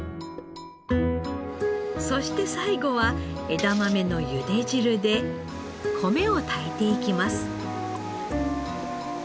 そして最後は枝豆の茹で汁で米を炊いていきます。